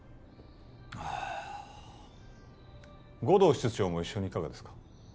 護道室長も一緒にいかがですか？